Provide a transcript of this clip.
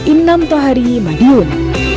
innam tohari madiun